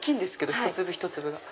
一粒一粒が。